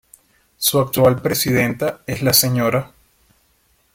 Su actual presidenta es la Sra.